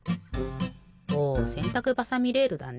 おせんたくばさみレールだね。